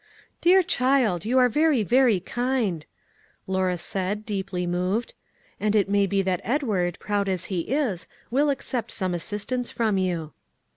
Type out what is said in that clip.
"Dear child, you are very very kind," Lora said, deeply moved; "and it may be that Edward, proud as he is, will accept some assistance from you."